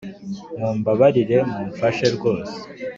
mumbabarire mumfashe rwose”